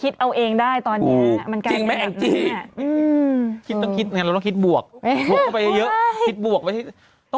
สติกเกอร์สติกเกอร์เออ